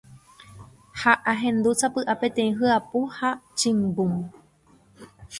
Ha ahendu sapy’a peteĩ hyapu ha chimbúm.